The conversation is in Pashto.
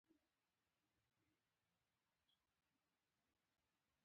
د لوګر په ازره کې د مسو نښې شته.